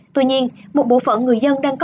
tuy nhiên một bộ phận người dân đang cấp